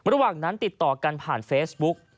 ระหว่างนั้นติดต่อกันผ่านเฟซบุ๊ก